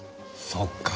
そっか。